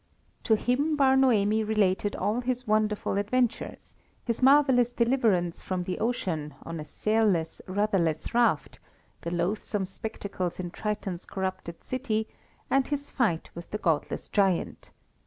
To him Bar Noemi related all his wonderful adventures, his marvellous deliverance from the ocean on a sailless, rudderless raft, the loathsome spectacles in Triton's corrupted city, and his fight with the godless giant.